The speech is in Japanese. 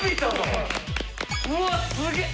うわっすげえ！